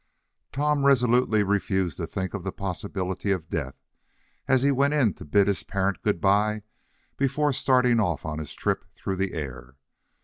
Tom resolutely refused to think of the possibility of death, as he went in to bid his parent good by before starting off on his trip through the air.